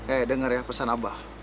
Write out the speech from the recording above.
eh denger ya pesan mba